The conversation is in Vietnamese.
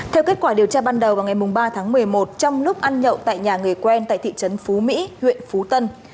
theo kết quả điều tra ban đầu vào ngày ba tháng một mươi một trong lúc ăn nhậu tại nhà người quen tại thị trấn phú mỹ huyện phú tân